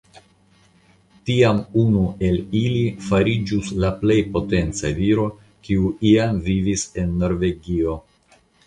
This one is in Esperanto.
Tiam unu el ili fariĝus la plej potenca viro, kiu iam vivis en Norvegio.